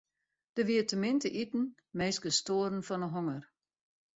Der wie te min te iten, minsken stoaren fan 'e honger.